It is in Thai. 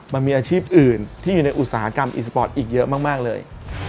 มันมีอาชีพอื่นที่อยู่ในอุตสาหกรรมอีสปอร์ตอีกเยอะมากเลย